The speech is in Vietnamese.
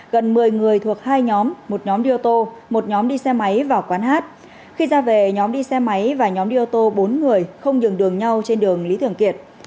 gần một mươi người thuộc hai nhóm một nhóm đi ô tô một nhóm đi xe máy vào quán hát khi ra về nhóm đi xe máy và nhóm đi ô tô bốn người không nhường đường nhau trên đường lý thường kiệt